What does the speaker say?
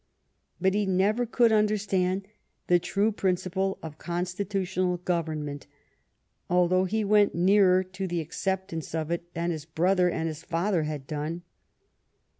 But he never could understand the true principle of constitu tional government, although he went nearer to the acceptance of it than his brother and his father had done.